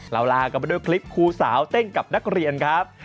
ลากันไปด้วยคลิปครูสาวเต้นกับนักเรียนครับ